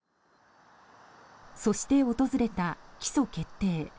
そして訪れた起訴決定。